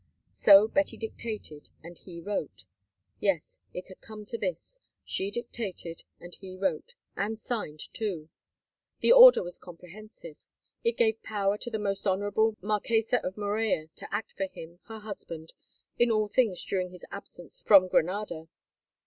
So Betty dictated and he wrote: yes, it had come to this—she dictated and he wrote, and signed too. The order was comprehensive. It gave power to the most honourable Marquessa of Morella to act for him, her husband, in all things during his absence from Granada.